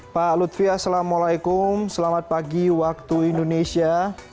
pak lutfi assalamualaikum selamat pagi waktu indonesia